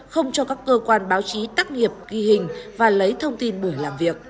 không cho các cơ quan báo chí tắt nghiệp ghi hình và lấy thông tin buổi làm việc